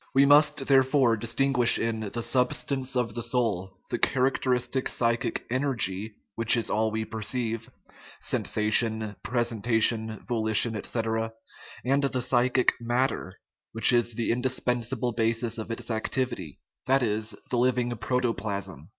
We must, therefore, dis tinguish in the " substance of the soul " the character istic psychic energy which is all we perceive (sensation, presentation, volition, etc.), and the psychic matter, which is the inseparable basis of its activity that is, the living protoplasm.